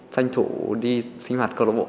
tranh thủ đi sinh hoạt cơ lộ bộ